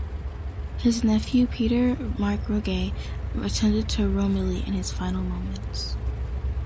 His nephew Peter Mark Roget attended to Romilly in his final moments.